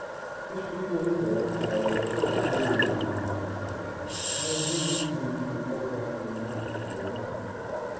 "] His feeble intellect, however, soon wearied of the new sensation, and he withdrew to an overhanging rock near by.